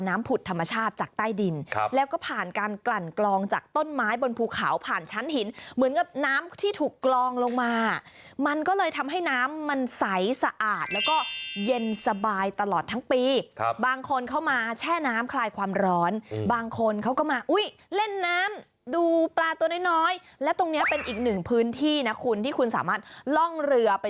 ผุดธรรมชาติจากใต้ดินครับแล้วก็ผ่านการกลั่นกลองจากต้นไม้บนภูเขาผ่านชั้นหินเหมือนกับน้ำที่ถูกกลองลงมามันก็เลยทำให้น้ำมันใสสะอาดแล้วก็เย็นสบายตลอดทั้งปีครับบางคนเข้ามาแช่น้ำคลายความร้อนบางคนเขาก็มาอุ้ยเล่นน้ำดูปลาตัวน้อยน้อยและตรงเนี้ยเป็นอีกหนึ่งพื้นที่นะคุณที่คุณสามารถล่องเรือไป